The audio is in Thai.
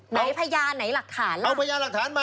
ไหนไภยาไหนหลักฐาน